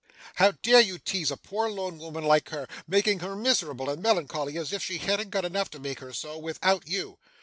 'How dare you tease a poor lone woman like her, making her miserable and melancholy as if she hadn't got enough to make her so, without you.